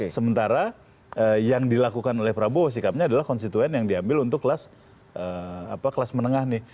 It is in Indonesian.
sementara yang dilakukan oleh prabowo sikapnya adalah konstituen yang diambil untuk kelas menengah nih